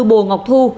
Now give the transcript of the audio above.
bồ ngọc thu